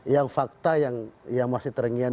yang fakta yang masih terengian